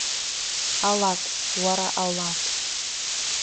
Алакә, уара, алакә!